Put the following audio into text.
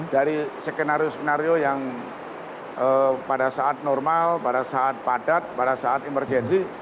dari skenario skenario yang pada saat normal pada saat padat pada saat emergensi